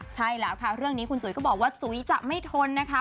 ใช่แล้วค่ะเรื่องนี้คุณจุ๋ยก็บอกว่าจุ๋ยจะไม่ทนนะคะ